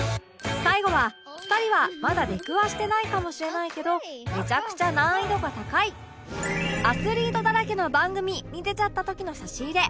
最後は２人はまだ出くわしてないかもしれないけどめちゃくちゃ難易度が高いアスリートだらけの番組に出ちゃった時の差し入れ